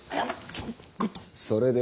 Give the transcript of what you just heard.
それで？